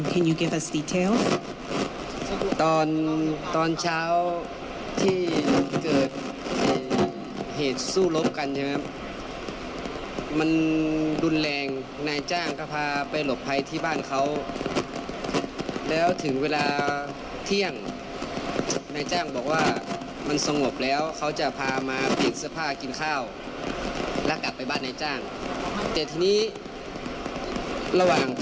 เกิดอะไรขึ้นตอนนั้นครับคุณสามารถให้เรารู้ได้ไหมครับ